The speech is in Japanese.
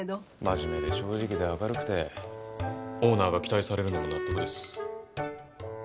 真面目で正直で明るくてオーナーが期待されるのも納得です。